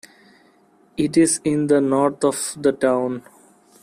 It is in the north of the town.